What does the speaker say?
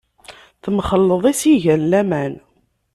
Temxelleḍ i s-igan laman.